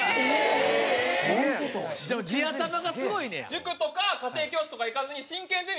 塾とか家庭教師とか行かずに進研ゼミ